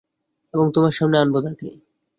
এবং তোমার সামনে আনবো তাকে।